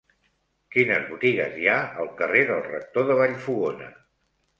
Quines botigues hi ha al carrer del Rector de Vallfogona?